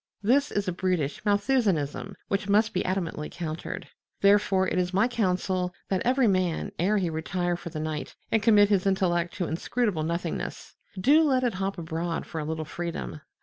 This is a brutish Malthusianism which must be adamantly countered. Therefore it is my counsel that every man, ere he retire for the night and commit his intellect to inscrutable nothingness, do let it hop abroad for a little freedom.